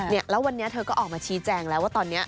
แล้ววันนี้เธอก็ออกมาชี้แจงแล้วว่าตอนนี้